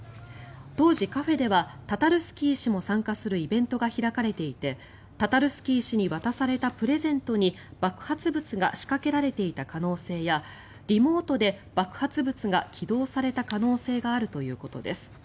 当時、カフェではタタルスキー氏も参加するイベントが開かれていてタタルスキー氏に渡されたプレゼントに爆発物が仕掛けられていた可能性やリモートで爆発物が起動された可能性があるということです。